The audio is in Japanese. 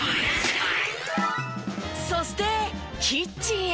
そしてキッチンへ。